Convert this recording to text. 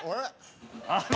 あれ？